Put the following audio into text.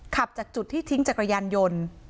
ขับจากจุดที่ทิ้งจักรยานยนต์